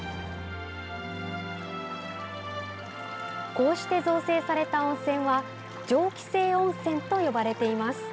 こうして造成された温泉は蒸気井温泉と呼ばれています。